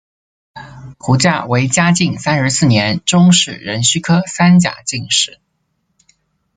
胡价为嘉靖三十四年中式壬戌科三甲进士。